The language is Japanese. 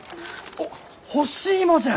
おっ干し芋じゃ！